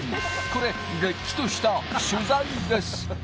これ、れっきとした取材です。